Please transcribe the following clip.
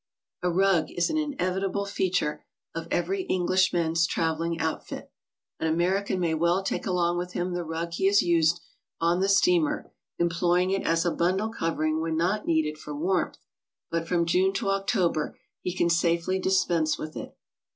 A rug is an inevitable feature of every Englishman's traveling outfit. An American may well take along with him the rug he has used on the steamer, employing it as a bundle covering when not needed for warmth, but from June to Octcfber he can safely dispense with it.